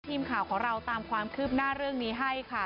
ทีมข่าวของเราตามความคืบหน้าเรื่องนี้ให้ค่ะ